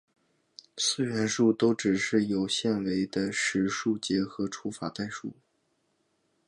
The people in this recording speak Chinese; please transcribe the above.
四元数都只是有限维的实数结合除法代数。